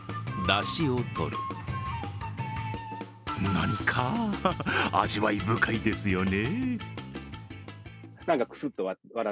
何か、味わい深いですよね。